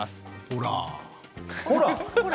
ほら。